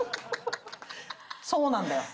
そうなんだよ。